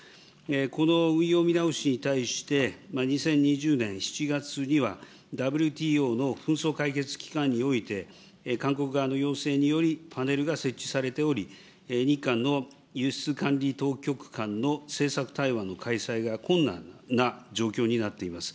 この運用見直しに対して、２０２０年７月には、ＷＴＯの紛争解決機関において、韓国側の要請により、パネルが設置されており、日韓の輸出管理当局間の政策対話の開催が困難な状況になっています。